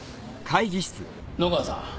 野川さん